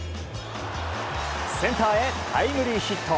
センターへタイムリーヒット。